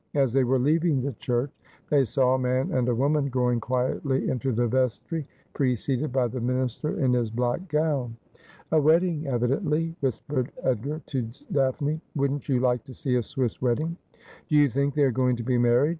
As they were leaving the church, they saw a man and a woman going quietly into the vestry, preceded by the minister in his black gown. ' A wedding evidently,' whispered Edgar to Daphne. ' Wouldn't you like to see a Swiss wedding ?'' Do you think they are going to be married